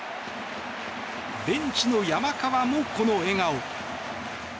ベンチの山川もこの笑顔。